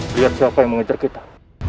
lihat siapa yang mengejar kita